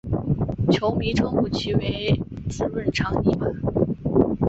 球迷称呼其为孖润肠尼马。